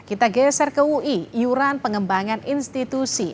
kita geser ke ui iuran pengembangan institusi